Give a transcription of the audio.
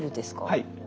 はい。